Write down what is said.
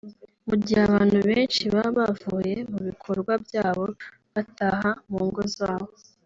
Mu gihe abantu benshi baba bavuye mu bikorwa byabo bataha mu ngo zabo